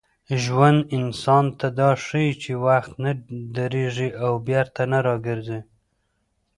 ژوند انسان ته دا ښيي چي وخت نه درېږي او بېرته نه راګرځي.